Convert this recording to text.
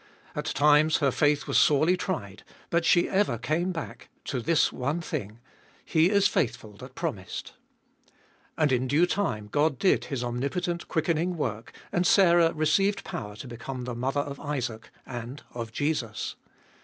At times her faith was sorely tried, but she ever came back to this one thing : He is faithful Cbe Tboliest of ail 443 that promised ! And in due time God did His omnipotent quickening work, and Sarah received power to become the mother of Isaac and of JESUS.